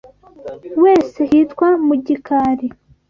wese hitwa mu’igikari